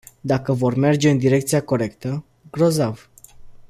Dacă vor merge în direcția corectă, grozav.